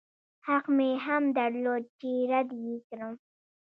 حق مې هم درلود چې رد يې کړم.